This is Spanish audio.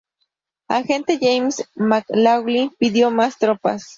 Agente James McLaughlin pidió más tropas.